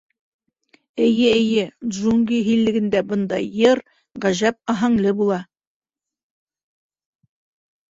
Эйе, эйе, джунгли һиллегендә бындай «йыр» ғәжәп аһәңле була.